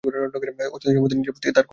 অথচ এ সম্বন্ধে নিজের প্রতি তার পক্ষপাত নেই।